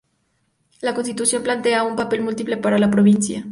La Constitución plantea un papel múltiple para la Provincia.